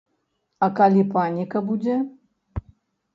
А калі паніка будзе?